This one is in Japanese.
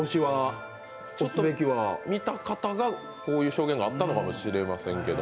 見た方が、こういう証言があったのかもしれないですけど。